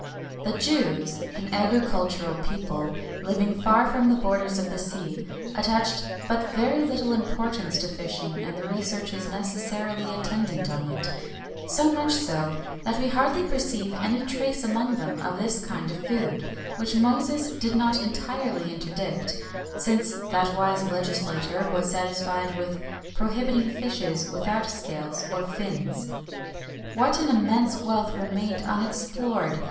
[XXI 1] The Jews, an agricultural people, living far from the borders of the sea, attached but very little importance to fishing and the researches necessarily attendant on it; so much so, that we hardly perceive any trace among them of this kind of food, which Moses did not entirely interdict, since that wise legislator was satisfied with prohibiting fishes without scales or fins.[XXI 2] What an immense wealth remained unexplored!